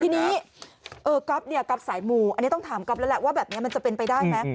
ทีนี้กับสายหมูต้องถามกับแล้วแหละว่าแบบนี้จะเป็นไปได้ไหม